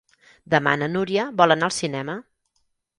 Demà na Núria vol anar al cinema.